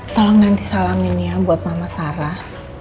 tolong nanti salamin ya buat mama sarah